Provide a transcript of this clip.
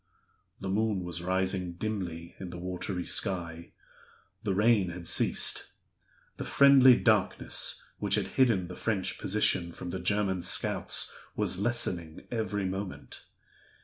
The moon was rising dimly in the watery sky; the rain had ceased; the friendly darkness which had hidden the French position from the German scouts was lessening every moment.